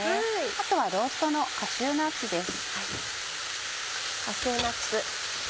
あとはローストのカシューナッツです。